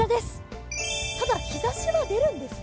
ただ、日ざしは出るんですね？